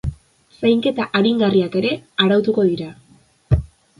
Zainketa aringarriak ere arautuko dira.